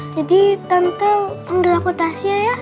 jadi tante panggil aku tasya ya